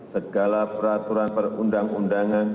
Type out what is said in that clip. segala peraturan perundang undangan